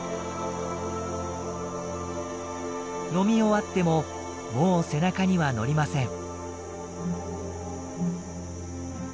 飲み終わってももう背中には乗りません。